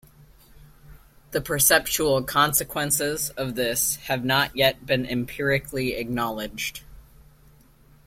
The perceptual consequences of this have not yet been empirically acknowledged.